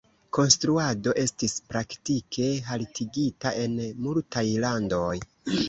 Konstruado estis praktike haltigita en multaj landoj.